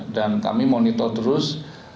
dan kami monitor terus